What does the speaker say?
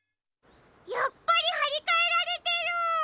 やっぱりはりかえられてる！